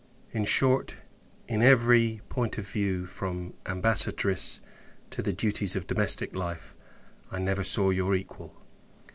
In short, in every point of view, from Ambassatrice to the duties of domestic life, I never saw your equal!